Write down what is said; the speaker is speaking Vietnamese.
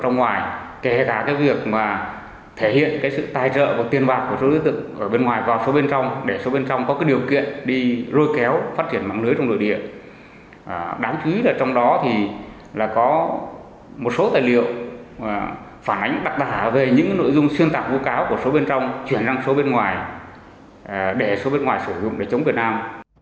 nhiều tài liệu phản ánh đặc tả về những nội dung xuyên tạp vô cáo của số bên trong chuyển sang số bên ngoài để số bên ngoài sử dụng để chống việt nam